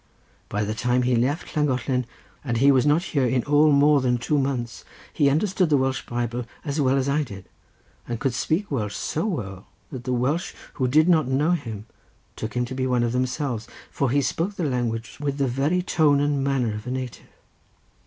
By the time he left Llangollen, and he was not here in all more than two months, he understood the Welsh Bible as well as I did, and could speak Welsh so well that the Welsh, who did not know him, took him to be one of themselves, for he spoke the language with the very tone and manner of a native.